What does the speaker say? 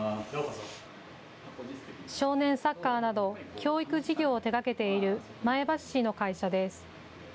少年サッカーなど教育事業を手がけている前橋市の会社です。